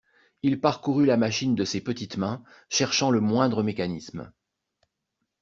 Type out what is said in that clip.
Il parcourut la machine de ses petites mains, cherchant le moindre mécanisme.